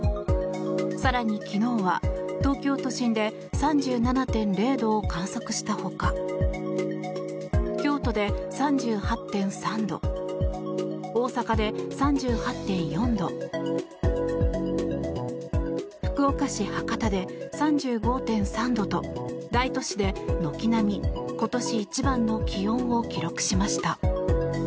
更に昨日は東京都心で３７．０度を観測したほか京都で３８．３度大阪で３８．４度福岡市博多で３５．３度と大都市で軒並み今年一番の気温を記録しました。